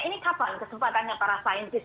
ini kapan kesempatannya para saintis